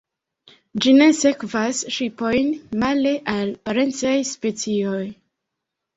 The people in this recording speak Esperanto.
Ĝi ne sekvas ŝipojn, male al parencaj specioj.